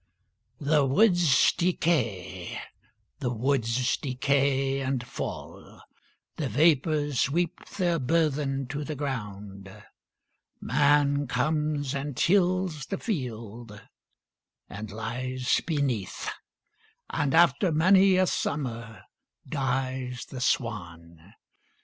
The woods decay, the woods decay and fall, The vapors weep their burthen to the ground, Man comes and tills the field and lies beneath, And after many a summer dies the swan.